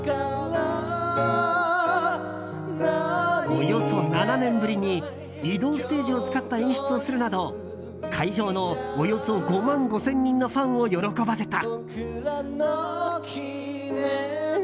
およそ７年ぶりに移動ステージを使った演出をするなど会場のおよそ５万５０００人のファンを喜ばせた。